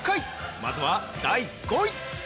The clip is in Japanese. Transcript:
まずは、第５位！